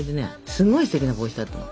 すごいステキな帽子だったの。